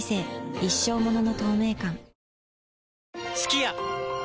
一生ものの透明感